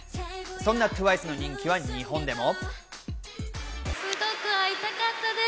そんなＴＷＩＣＥの人気は日本でも。